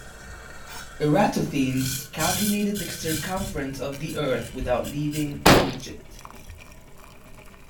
Eratosthenes calculated the circumference of the Earth without leaving Egypt.